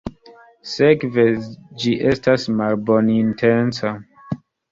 Sekve, ĝi estas malbonintenca.